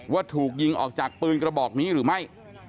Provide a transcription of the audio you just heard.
ว่าถูกยิงออกจากปืนกระบอกนี้หรือไม่